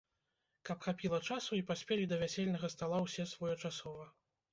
Каб хапіла часу і паспелі да вясельнага стала ўсе своечасова.